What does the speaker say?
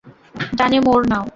ডানে মোড় নাও।